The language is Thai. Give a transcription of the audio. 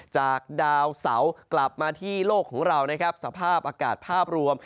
จากดาวเสากลับมาที่โลกของเรานะครับสภาพอากาศภาพรวม